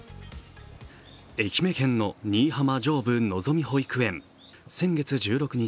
愛媛県の新居浜上部のぞみ保育園、先月１６日